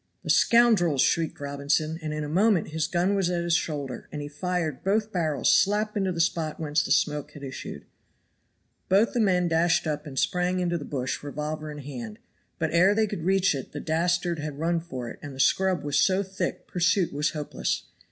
"The scoundrels!" shrieked Robinson. And in a moment his gun was at his shoulder, and he fired both barrels slap into the spot whence the smoke had issued. Both the men dashed up and sprang into the bush revolver in hand, but ere they could reach it the dastard had run for it; and the scrub was so thick pursuit was hopeless.